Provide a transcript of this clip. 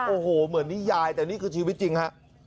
โอ้โหเหมือนนิยายแต่นี่คือชีวิตจริงฮะ